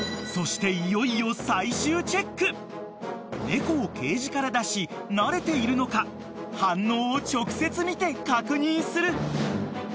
［猫をケージから出しなれているのか反応を直接見て確認する］